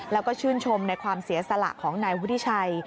แล้วก็ชื่นชมในความเสียสละของนายวุฒิชัย